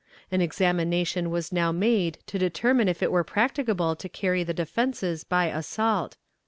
An examination was now made to determine if it were practicable to carry the defenses by assault.